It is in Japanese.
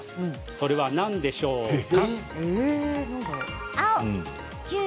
それは何でしょうか？